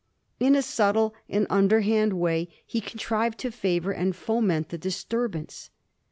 In a subtle and underhand way he contrived to favour and foment the disturbance.